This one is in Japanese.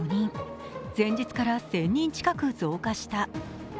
前日から１０００人近く増加した。